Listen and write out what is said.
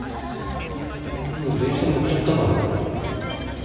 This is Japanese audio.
もう電車乗っちゃったかな？